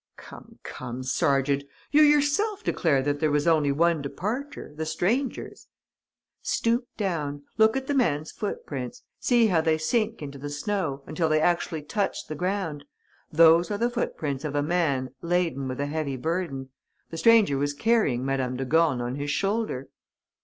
"Come, come, sergeant! You yourself declare that there was only one departure, the stranger's." "Stoop down. Look at the man's footprints. See how they sink into the snow, until they actually touch the ground. Those are the footprints of a man, laden with a heavy burden. The stranger was carrying Madame de Gorne on his shoulder."